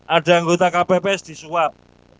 ada anggota kpps disuap